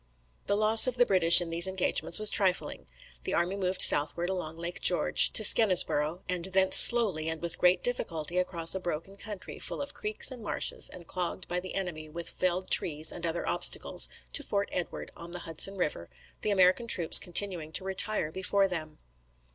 The loss of the British in these engagements was trifling. The army moved southward along Lake George to Skenesborough; and thence slowly, and with great difficulty, across a broken country, full of creeks and marshes, and clogged by the enemy with felled trees and other obstacles, to Fort Edward, on the Hudson river, the American troops continuing to retire before them.